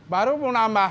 baru mau nambah